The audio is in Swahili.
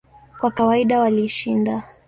Kwa kawaida walishinda.